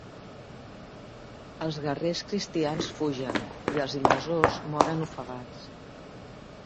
Els guerrers cristians fugen i els invasors moren ofegats.